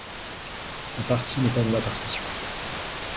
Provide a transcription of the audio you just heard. Sa partie n'est pas dans la partition.